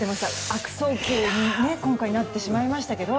悪送球に今回なってしまいましたけど。